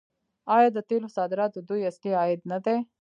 آیا د تیلو صادرات د دوی اصلي عاید نه دی؟